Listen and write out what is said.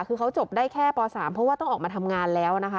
คือเขาจบได้แค่ป๓เพราะว่าต้องออกมาทำงานแล้วนะคะ